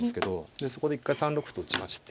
でそこで一回３六歩と打ちまして。